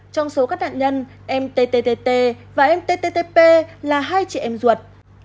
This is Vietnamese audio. trong số các nạn nhân em tttt và em tttp là hai chị em ruột